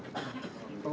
tidak harus saja bagus